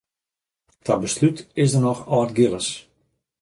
Ta beslút is der noch Aldgillis.